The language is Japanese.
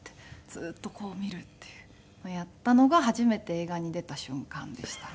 ずっとこう見るっていうのをやったのが初めて映画に出た瞬間でしたね。